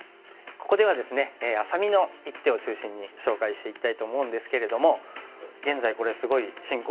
ここではですねあさみの一手を中心に紹介していきたいと思うんですけれども現在これすごい進行